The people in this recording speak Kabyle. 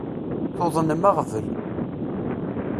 Tuḍnem aɣbel.